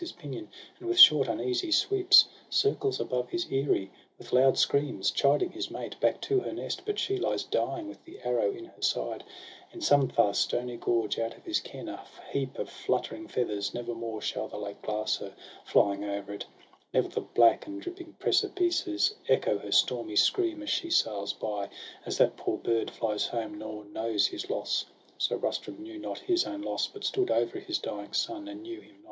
His pinion, and with short uneasy sweeps Circles above his eyry, with loud screams Chiding his mate back to her nest; but she Lies dying, with the arrow in her side, In some far stony gorge out of his ken, A heap of fluttering feathers — never more Shall the lake glass her, flying over it; Never the black and dripping precipices Echo her stormy scream as she sails by — As that poor bird flies home, nor knows his loss. So Rustum knew not his own loss, but stood Over his dying son, and knew him not.